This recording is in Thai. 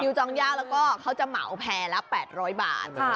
จองย่างแล้วก็เขาจะเหมาแพร่ละ๘๐๐บาท